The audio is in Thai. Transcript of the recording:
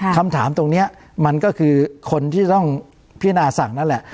คำถามตรงนี้มันก็คือคนที่ต้องพิจารณาสั่งนั่นแหละ